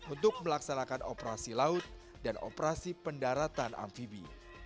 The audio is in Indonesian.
untuk melaksanakan operasi laut dan operasi pendaratan amfibi